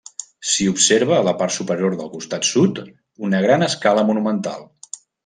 S'hi observa, a la part superior del costat sud, una gran escala monumental.